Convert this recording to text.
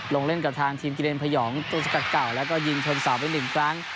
ลงเล่นกับทางทีมกิเลนพยองตัวสกัดเก่าแล้วก็ยิงชนเสาไป๑ครั้ง